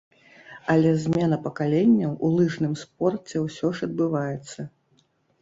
Але змена пакаленняў у лыжным спорце ўсё ж адбываецца.